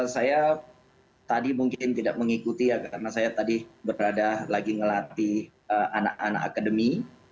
saya tadi mungkin tidak mengikuti ya karena saya tadi berada lagi ngelatih anak anak akademi